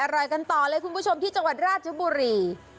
อร่อยกันต่อเลยคุณผู้ชมที่จังหวัดราชบุรี